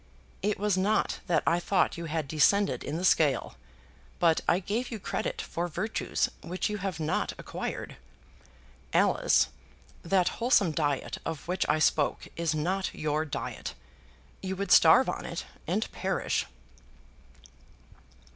It was not that I thought you had descended in the scale; but I gave you credit for virtues which you have not acquired. Alice, that wholesome diet of which I spoke is not your diet. You would starve on it, and perish."